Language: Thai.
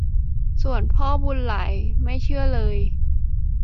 ส่วนพ่อบุญหลายไม่เชื่อเลย